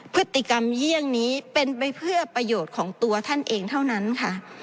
พฤติกรรมเยี่ยงนี้เป็นไปเพื่อประโยชน์ของตัวท่านเองเท่านั้นค่ะ